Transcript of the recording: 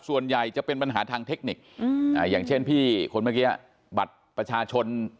ส่วนใหญ่จะเป็นปัญหาทางเทคนิคอย่างเช่นพี่คนเมื่อกี้บัตรประชาชน